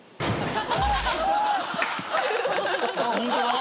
ホントだ。